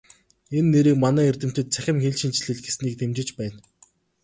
Энэ нэрийг манай эрдэмтэд "Цахим хэлшинжлэл" гэснийг дэмжиж байна.